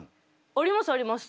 ありますあります。